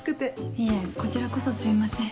いえこちらこそすいません。